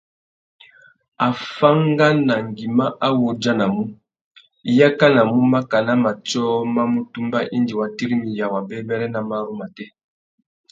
Afánganangüima a wú udjanamú, i yakanamú makana matiō mà mù tumba indi wa tirimiya wabêbêrê nà marru matê.